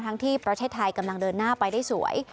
ที่ประเทศไทยกำลังเดินหน้าไปได้สวย